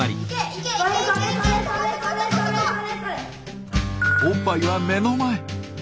おっぱいは目の前。